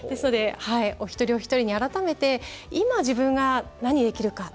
お一人お一人に改めて今、自分が何ができるか。